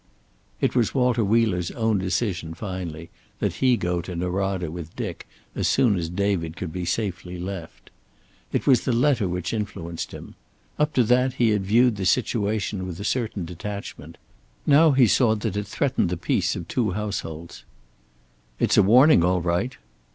It was Walter Wheeler's own decision, finally, that he go to Norada with Dick as soon as David could be safely left. It was the letter which influenced him. Up to that he had viewed the situation with a certain detachment; now he saw that it threatened the peace of two households. "It's a warning, all right."